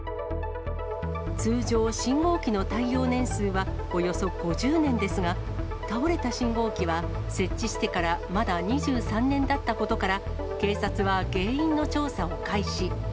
通常、信号機の耐用年数はおよそ５０年ですが、倒れた信号機は、設置してからまだ２３年だったことから、警察は原因の調査を開始。